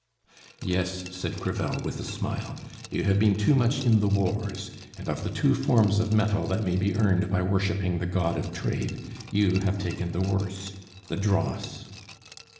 "Yes," said Crevel, with a smile, "you have been too much in the wars; and of the two forms of metal that may be earned by worshiping the god of trade, you have taken the worse the dross!"